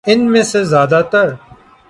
ان میں سے زیادہ تر